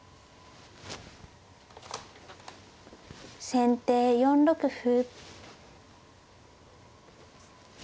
先手４六歩。